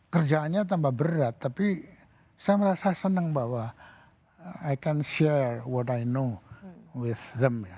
kerjaannya tambah berat tapi saya merasa senang bahwa i can share what i know with them ya